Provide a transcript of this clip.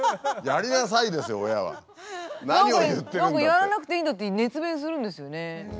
何かやらなくていいんだって熱弁するんですよね。